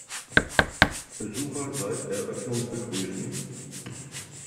Besucher seit Eröffnung begrüßen.